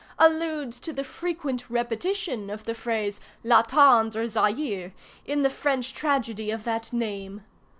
Alludes to the frequent repetition of the phrase, la tendre Zaire, in the French tragedy of that name.